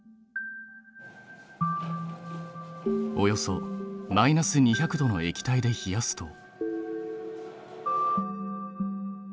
およそマイナス２００℃の液体で冷やすと。